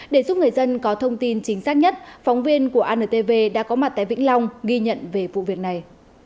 để giúp người dân có thông tin chính xác nhất phóng viên của antv đã có mặt tại vĩnh long ghi nhận về vụ việc này